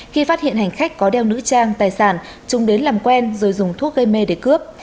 khi phát hiện hành khách có đeo nữ trang tài sản chúng đến làm quen rồi dùng thuốc gây mê để cướp